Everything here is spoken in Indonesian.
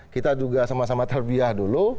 kita juga sama sama terbiah dulu